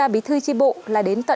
bí thư tri bộ là đến tầm